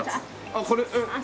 あっこれ。